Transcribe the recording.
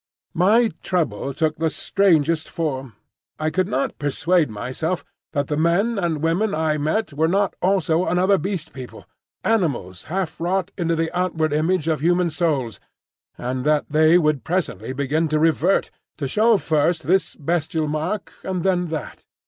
My trouble took the strangest form. I could not persuade myself that the men and women I met were not also another Beast People, animals half wrought into the outward image of human souls, and that they would presently begin to revert,—to show first this bestial mark and then that.